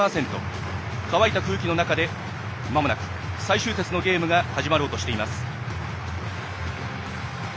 乾いた空気の中でまもなく最終節のゲームが始まろうとしています。